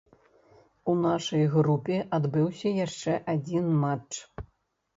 У нашай групе адбыўся яшчэ адзін матч.